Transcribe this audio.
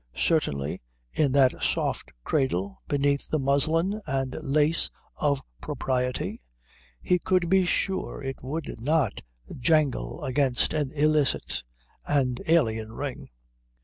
Certainly in that soft cradle, beneath the muslin and lace of propriety, he could be sure it would not jangle against an illicit and alien ring.